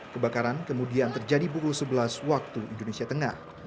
kebakaran kemudian terjadi pukul sebelas waktu indonesia tengah